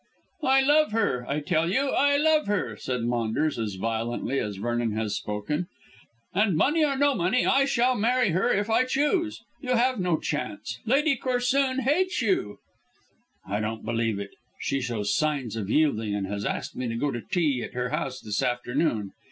"I love her, I tell you; I love her," said Maunders as violently as Vernon had spoken, "and money or no money I shall marry her if I choose. You have no chance. Lady Corsoon hates you." "I don't believe it. She shows signs of yielding, and has asked me to go to tea at her house this afternoon.